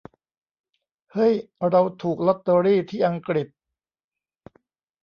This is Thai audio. เฮ้ย เราถูกล็อตเตอรี่ที่อังกฤษ !